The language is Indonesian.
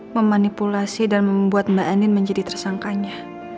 memanipulasi dan membuat mbak anin menjadi tersangkanya